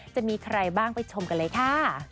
จะมีใครบ้างไปชมกันเลยค่ะ